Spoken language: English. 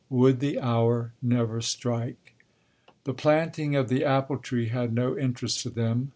Would the hour never strike! "The Planting of the Apple tree" had no interest for them.